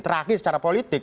terakhir secara politik